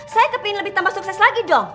saya kepingin lebih tambah sukses lagi dong